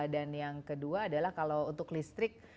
dan yang kedua adalah kalau untuk listrik